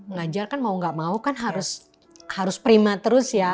ngajar kan mau gak mau kan harus prima terus ya